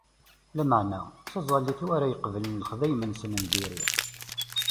Lameɛna, d taẓallit-iw ara yettqabalen lexdayem-nsen n diri.